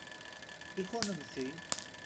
I kunemti?